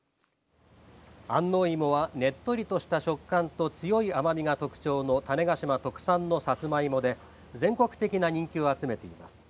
安納芋はねっとりとした食感と強い甘みが特徴の種子島特産のさつまいもで全国的な人気を集めています。